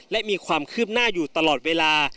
และมีความคืบหน้าอยู่ตลอดเวลา